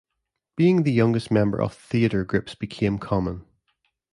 Being the youngest member of theatre groups became common.